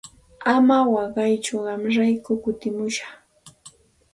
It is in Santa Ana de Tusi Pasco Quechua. Ama waqaytsu qamraykum kutimushaq.